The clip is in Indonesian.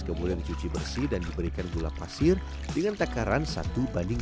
kemudian dicuci bersih dan diberikan gula pasir dengan takaran satu banding